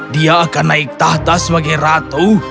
dia akan naik tahta sebagai ratu